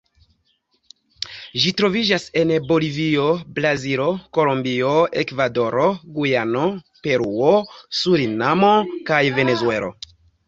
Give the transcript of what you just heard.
Ĝi troviĝas en Bolivio, Brazilo, Kolombio, Ekvadoro, Gujano, Peruo, Surinamo kaj Venezuelo.